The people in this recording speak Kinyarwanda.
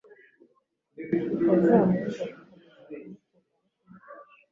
bitazamubuza gukomeza kumukunda no kumufasha